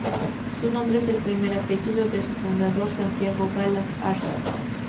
Su nombre es el primer apellido de su fundador: Santiago Galas Arce.